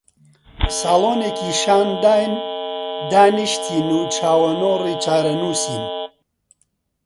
ساڵۆنێکی شان داین، دانیشتین و چاوەنۆڕی چارەنووسین